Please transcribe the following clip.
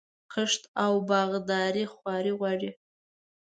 کښت او باغداري خواري غواړي.